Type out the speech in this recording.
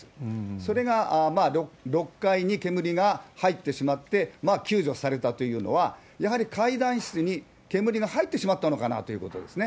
それが、６階に煙が入ってしまって、救助されたというのは、やはり階段室に煙が入ってしまったのかということですね。